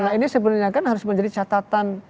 nah ini sebenarnya kan harus menjadi catatan